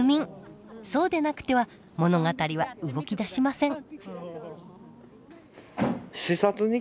そうでなくては物語は動き出しません。